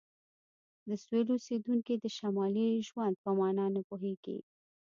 د سویل اوسیدونکي د شمالي ژوند په معنی نه پوهیږي